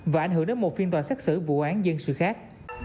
và ảnh hưởng đến một phiên tòa xét xử vụ án dân sự khác